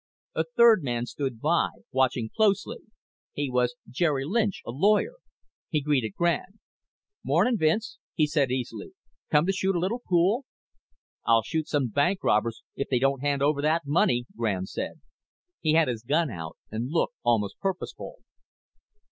A third man stood by, watching closely. He was Jerry Lynch, a lawyer. He greeted Grande. "Morning, Vince," he said easily. "Come to shoot a little pool?" "I'll shoot some bank robbers if they don't hand over that money," Grande said. He had his gun out and looked almost purposeful.